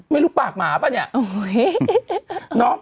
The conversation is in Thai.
ไม่รู้ปากหมาป่ะเนี่ย